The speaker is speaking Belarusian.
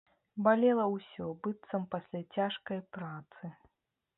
Балела ўсё, быццам пасля цяжкай працы.